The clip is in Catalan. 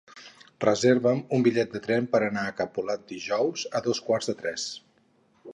Reserva'm un bitllet de tren per anar a Capolat dijous a dos quarts de tres.